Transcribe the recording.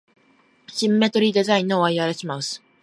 シンメトリーデザインのワイヤレスマウス